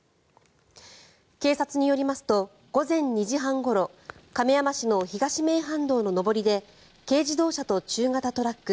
警察によりますと午前２時半ごろ亀山市の東名阪道の上りで軽自動車と中型トラック